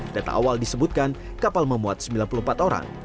data awal disebutkan kapal memuat sembilan puluh empat orang